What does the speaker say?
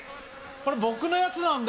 これ僕のやつなんで。